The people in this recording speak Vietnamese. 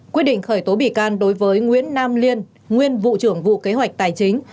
quyết định khởi tố bị can đối với nguyễn nam liên nguyên vụ trưởng vụ kế hoạch tài chính